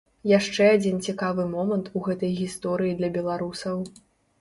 Яшчэ адзін цікавы момант у гэтай гісторыі для беларусаў.